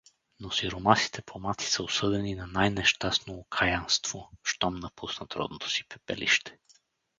Но сиромасите помаци са осъдени на най-нещастно окаянство щом напуснат родното си пепелище.